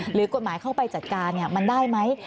หรือกฎหมายเข้าไปจัดการมันได้ไหม